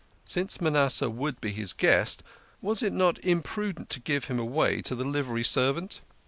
Since Manasseh would be his guest, was it not imprudent to give him away to the livery servant?